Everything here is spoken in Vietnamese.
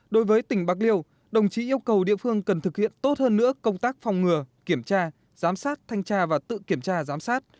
đối với tỉnh bạc liêu đồng chí yêu cầu địa phương cần thực hiện tốt hơn nữa công tác phòng ngừa kiểm tra giám sát thanh tra và tự kiểm tra giám sát